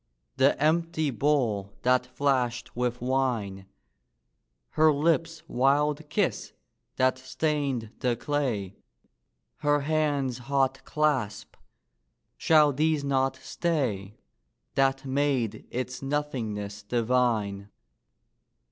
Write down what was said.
The empty bowl that flashed with wine! Her lips' wild kiss, that stained the clay, Her hands' hot clasp shall these not stay, That made its nothingness divine?